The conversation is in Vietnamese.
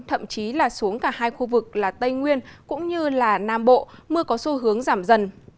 thậm chí là xuống cả hai khu vực là tây nguyên cũng như nam bộ mưa có xu hướng giảm dần